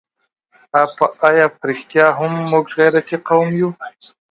آیا په رښتیا هم موږ غیرتي قوم یو؟